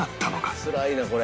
「つらいなこれ。